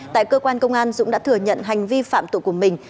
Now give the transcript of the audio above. tại cơ quan công an dũng đã thừa nhận hành vi phạm tội của mình